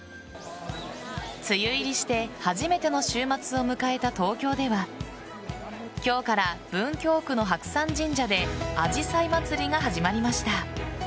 梅雨入りして初めての週末を迎えた東京では今日から、文京区の白山神社であじさいまつりが始まりました。